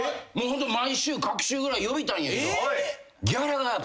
毎週隔週ぐらい呼びたいんやけど。